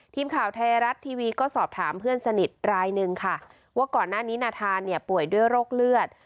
ทีมข่าวไทยรัฐทีวีก็สอบถามเพื่อนสนิทรายหนึ่งค่ะว่าก่อนหน้านี้นาธานเนี่ยป่วยด้วยโรคเลือด